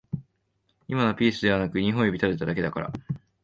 今のはピースではなく二本指立てただけだから